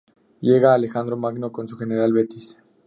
Llega Alejandro Magno con su general Betis.